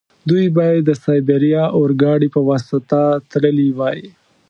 دوی باید د سایبیریا اورګاډي په واسطه تللي وای.